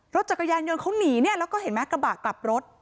รถจักรยานยนต์เขาหนีเนี่ยแล้วก็เห็นไหมกระบะกลับรถ